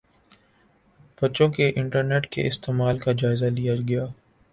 بچوں کے انٹرنیٹ کے استعمال کا جائزہ لیا گیا